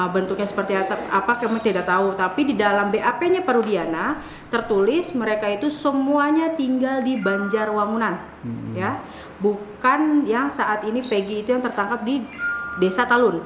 dan itu menyebutnya kasus pembunuhan anaknya